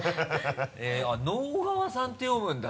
直川さんって読むんだ